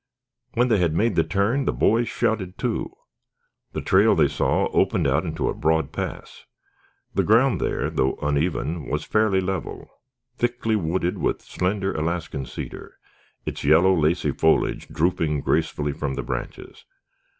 When they had made the turn the boys shouted, too. The trail, they saw, opened out into a broad pass. The ground there, though uneven, was fairly level, thickly wooded with slender Alaskan cedar, its yellow, lacy foliage drooping gracefully from the branches.